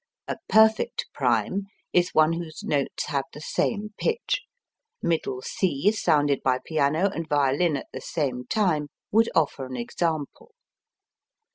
A perfect prime is one whose tones have the same pitch. Middle C sounded by piano and violin at the same time would offer an example.